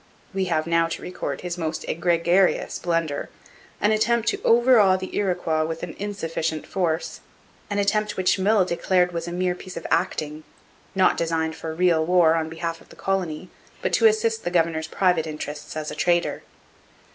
We have now to record his most egregious blunder an attempt to overawe the Iroquois with an insufficient force an attempt which Meulles declared was a mere piece of acting not designed for real war on behalf of the colony, but to assist the governor's private interests as a trader.